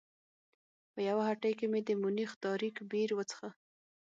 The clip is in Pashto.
په یوه هټۍ کې مې د مونیخ تاریک بیر وڅښه.